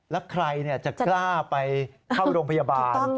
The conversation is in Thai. แล้วใครจะกล้าไปเข้าโรงพยาบาล